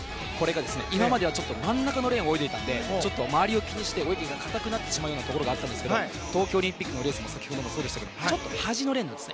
今までは真ん中のレーンを泳いでいたので泳ぎが硬くなってしまうところがありますが東京オリンピックのレースもそうでしたがちょっと端のレーンなんです。